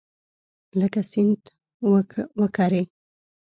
لکه سیند وکرې